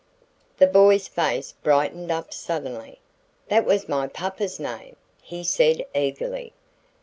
The boy's face brightened up suddenly. "That was my papa's name," he said eagerly.